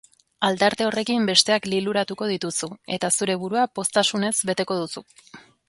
Aldarte horrekin besteak liluratuko dituzu, eta zure burua poztasunez beteko duzu.